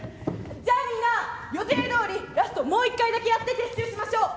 じゃあみんな予定どおりラストもう一回だけやって撤収しましょう。